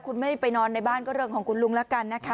คุณไม่ไปนอนในบ้านก็เรื่องของคุณลุงแล้วกันนะคะ